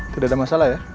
tidak ada masalah ya